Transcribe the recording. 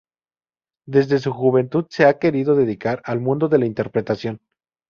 Desde su juventud se ha querido dedicar al mundo de la interpretación.